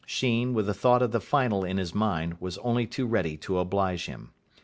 Sheen, with the thought of the final in his mind, was only too ready to oblige him.